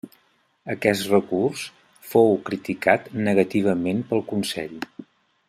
Aquest recurs fou criticat negativament pel Consell.